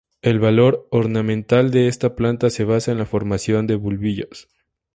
El valor ornamental de esta planta se basa en la formación de bulbillos.